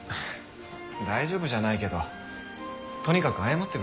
大丈夫じゃないけどとにかく謝ってみるよ。